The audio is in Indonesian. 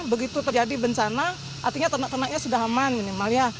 begitu terjadi bencana artinya ternak ternaknya sudah aman minimal ya